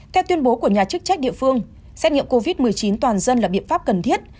theo tuyên bố của nhà chức trách địa phương xét nghiệm covid một mươi chín toàn dân là biện pháp cần thiết